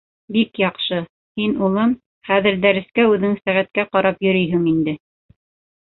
— Бик яҡшы, һин улым, хәҙер дәрескә үҙең сәғәткә ҡарап йөрөйһөң инде.